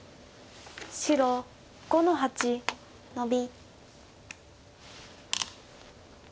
白５の八ノビ。